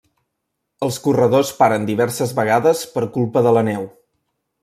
Els corredors paren diverses vegades per culpa de la neu.